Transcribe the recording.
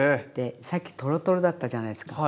さっきトロトロだったじゃないですか。